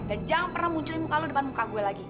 dan jangan pernah munculin muka lo depan muka gue lagi